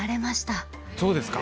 そうですか！